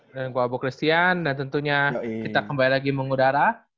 dan gue abu christian dan tentunya kita kembali lagi mengudara